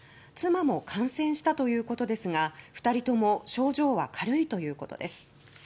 妻も感染したということですが２人とも症状は軽いということです。